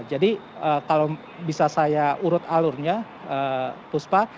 jadi kalau bisa saya urut alurnya puspa